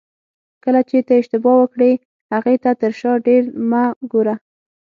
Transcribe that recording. کله چې ته اشتباه وکړې هغې ته تر شا ډېر مه ګوره.